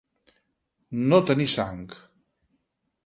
No tenir sang.